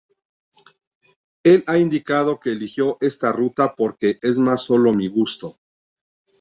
Él ha indicado que eligió esta ruta porque "es más solo mi gusto.